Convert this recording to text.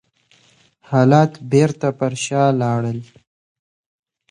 حالات بېرته پر شا لاړل.